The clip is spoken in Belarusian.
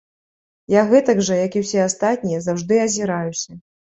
Я гэтак жа, як і ўсе астатнія, заўжды азіраюся.